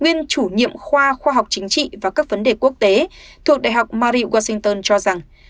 nguyên chủ nhiệm khoa khoa học chính trị và các vấn đề quốc tế thuộc đại học mari washington cho rằng